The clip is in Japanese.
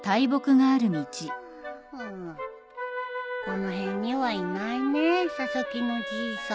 この辺にはいないね佐々木のじいさん。